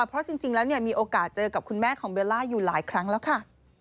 เพราะจริงแล้วมีโอกาสเจอกับคุณแม่ของเบลล่าอยู่หลายครั้งแล้วค่ะ